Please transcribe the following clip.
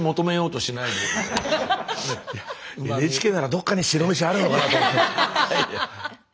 ＮＨＫならどっかに白飯あるのかなと思って。